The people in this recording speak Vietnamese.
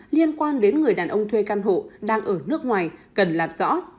liên quan đến người đàn ông thuê căn hộ đang ở nước ngoài cần lạp rõ